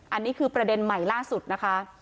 อันนี้คือประเด็นใหม่ล่าสุดนะคะ